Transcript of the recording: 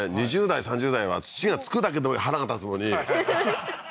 ２０代３０代は土が付くだけで腹が立つのにふふ